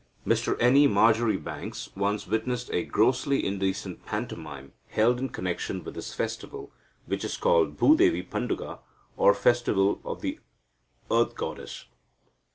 Mr N. E. Marjoribanks once witnessed a grossly indecent pantomime, held in connection with this festival, which is called Bhudevi Panduga, or festival of the earth goddess.